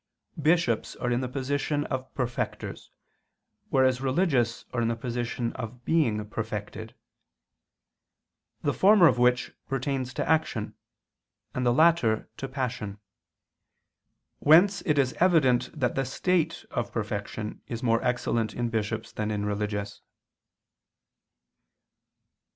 v, vi), bishops are in the position of "perfecters," whereas religious are in the position of being "perfected"; the former of which pertains to action, and the latter to passion. Whence it is evident that the state of perfection is more excellent in bishops than in religious.